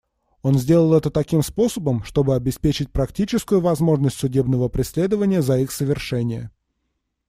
Он сделал это таким способом, чтобы обеспечить практическую возможность судебного преследования за их совершение.